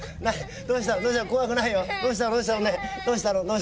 どうしたの？